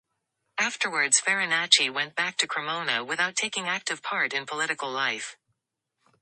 Afterwards Farinacci went back to Cremona without taking active part in political life.